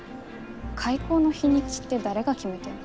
開口の日にちって誰が決めてんの？